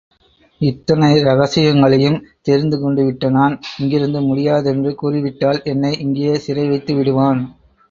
இத்தனை இரகசியங்களையும் தெரிந்து கொண்டுவிட்ட நான் இங்கிருக்க முடியாதென்று கூறிவிட்டால் என்னை இங்கேயே சிறைவைத்து விடுவான்.